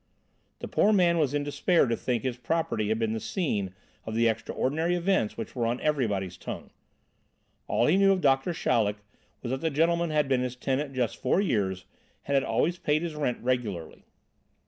The poor man was in despair to think his property had been the scene of the extraordinary events which were on everybody's tongue. All he knew of Doctor Chaleck was that that gentleman had been his tenant just four years, and had always paid his rent regularly.